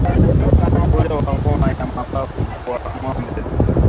Ugonjwa wa homa ya mapafu kwa ngombe